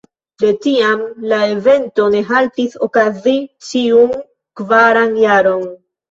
De tiam, la evento ne haltis okazi ĉiun kvaran jaron.